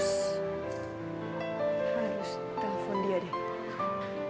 harus telfon dia deh